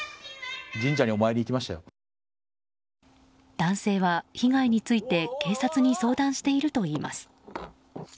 男性は被害について警察に相談しているといいます。